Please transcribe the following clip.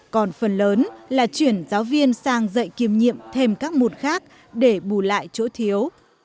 còn phần lớn là chuyển giáo viên sang dạy kiêm nhiệm thêm các môn khác để bù lại chỗ thiếu